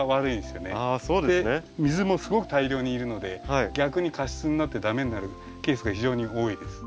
あそうですね。水もすごく大量にいるので逆に過湿になって駄目になるケースが非常に多いです。